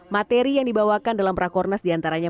materi yang dibawakan dalam rakornas diantaranya